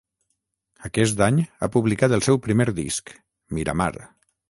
Aquest any ha publicat el seu primer disc, Miramar